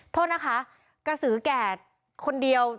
โทษนะคะกระสือแก่คนเดียว